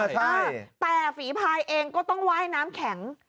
แต่ฝีพายเองก็ต้องว่ายน้ำแข็ง